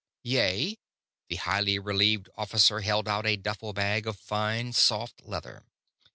"Yea." The highly relieved officer held out a duffle bag of fine, soft leather.